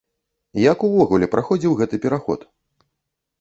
Як увогуле праходзіў гэты пераход?